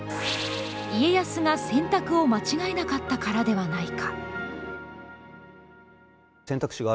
家康が選択を間違えなかったからではないか。